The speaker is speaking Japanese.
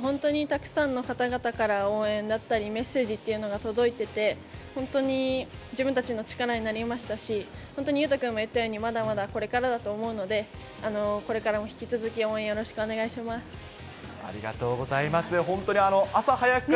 本当にたくさんの方々から応援だったり、メッセージっていうのが届いてて、本当に自分たちの力になりましたし、本当に勇大君も言ったように、まだまだこれからだと思うので、これからも引き続き応援よろしくお願いします。